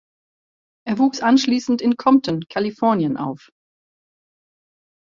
Er wuchs anschließend in Compton, Kalifornien auf.